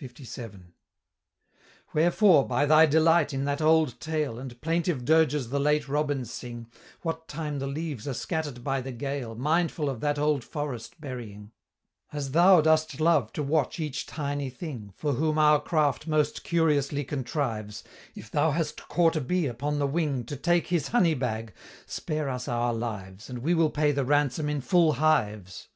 LVII. "Wherefore, by thy delight in that old tale, And plaintive dirges the late robins sing, What time the leaves are scatter'd by the gale, Mindful of that old forest burying; As thou dost love to watch each tiny thing, For whom our craft most curiously contrives, If thou hast caught a bee upon the wing, To take his honey bag, spare us our lives, And we will pay the ransom in full hives."